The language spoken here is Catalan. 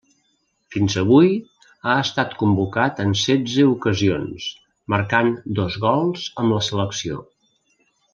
Fins avui ha estat convocat en setze ocasions, marcant dos gols amb la selecció.